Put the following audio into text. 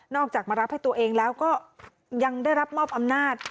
นอกจากมารับตัวเองแล้วก็ยังได้รับหม้ออำนาจ